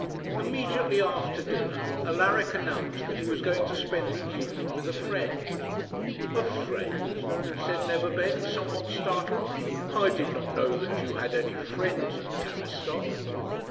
Immediately after dinner Alaric announced that he was going to spend the evening with a friend. 'A friend!' said Neverbend, somewhat startled; 'I did not know that you had any friends in Tavistock.'